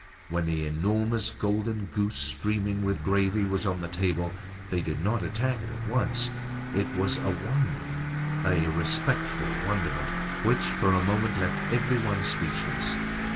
When the enormous golden goose, streaming with gravy, was on the table, they did not attack it at once. It was a wonder, a respectful wonderment, which for a moment left everyone speechless.